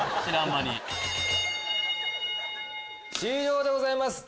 終了でございます。